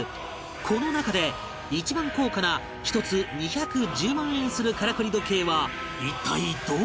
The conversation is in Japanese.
この中で一番高価な１つ２１０万円するからくり時計は一体どれ？